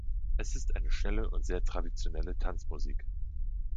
Es ist eine schnelle und sehr traditionelle Tanzmusik.